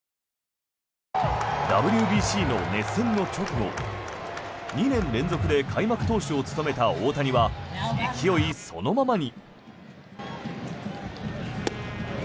ＷＢＣの熱戦の直後２年連続で開幕投手を務めた大谷は勢いそのままに。